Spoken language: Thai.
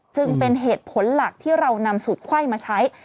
จึงเป็นเหตุผลหลักที่เรานำสูตรไขว้มาใช้